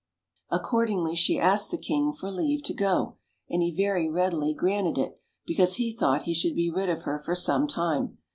Accordingly, she asked the king for leave to go, and he very readily granted it, because he thought he should be rid of her for some time.